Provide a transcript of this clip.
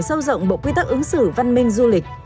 sâu rộng bộ quy tắc ứng xử văn minh du lịch